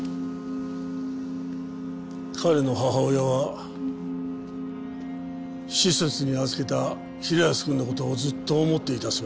彼の母親は施設に預けた平安くんの事をずっと思っていたそうだ。